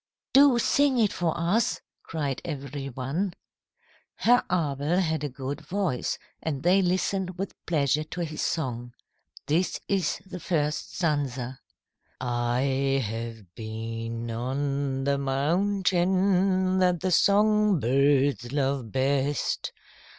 "Do sing it for us," cried every one. Herr Abel had a good voice and they listened with pleasure to his song. This is the first stanza: "I have been on the mountain That the song birds love best.